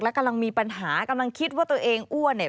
และกำลังมีปัญหากำลังคิดว่าตัวเองอ้วน